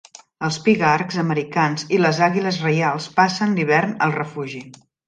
Els pigargs americans i les àguiles reials passen l'hivern al refugi.